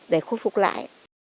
để khôi phục lại